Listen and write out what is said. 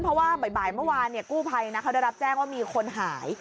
เพราะว่าบ่ายเมื่อวานกู้ภัยเขาได้รับแจ้งว่ามีคนหาย